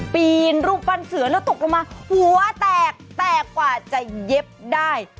ปีนรูปปั้นเสือแล้วตกลงมาหัวแตกแตกกว่าจะเย็บได้